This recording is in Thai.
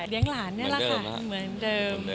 เลี้ยงหลานนี่แหละค่ะเหมือนเดิม